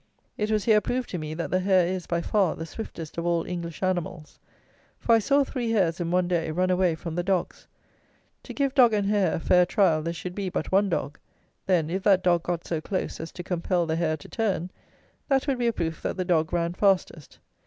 It was here proved to me, that the hare is, by far, the swiftest of all English animals; for I saw three hares, in one day, run away from the dogs. To give dog and hare a fair trial, there should be but one dog. Then, if that dog got so close as to compel the hare to turn, that would be a proof that the dog ran fastest.